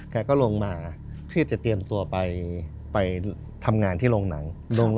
แกก็ลงมาเพื่อจะเตรียมตัวไปทำงานที่โรงหนัง